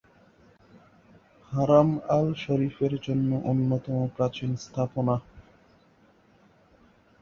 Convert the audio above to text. হারাম আল শরিফের এটি অন্যতম প্রাচীন স্থাপনা।